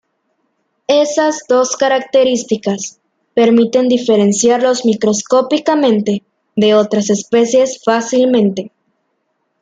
Esas dos características permiten diferenciarlos microscópicamente de otras especies fácilmente.